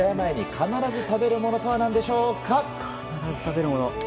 必ず食べるもの？